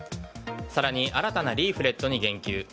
更に新たなリーフレットに言及。